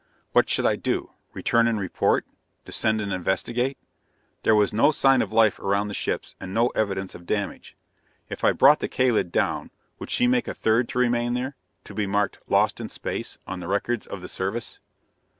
What should I do? Return and report? Descend and investigate? There was no sign of life around the ships, and no evidence of damage. If I brought the Kalid down, would she make a third to remain there, to be marked "lost in space" on the records of the Service?